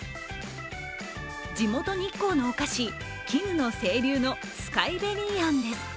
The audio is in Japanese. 地元・日光のお菓子きぬの清流のスカイベリー餡です。